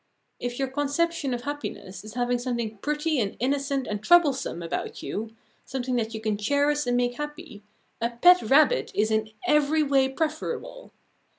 If your conception of happiness is having something pretty and innocent and troublesome about you, something that you can cherish and make happy, a pet rabbit is in every way preferable.